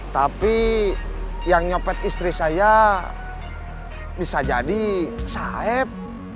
tapi yang nyopet istri saya bisa jadi saib